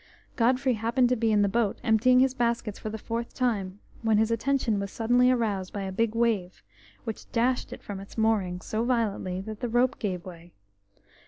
Godfrey happened to be in the boat emptying his baskets for the fourth time, when his attention was suddenly aroused by a big wave, which dashed it from its moorings so violently that the rope gave way.